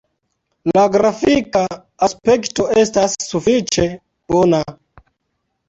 La grafika aspekto estas sufiĉe bona.